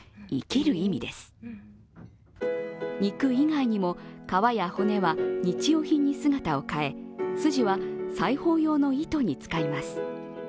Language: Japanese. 肉以外にも、皮や骨は日用品に姿を変え筋は裁縫用の糸に使います。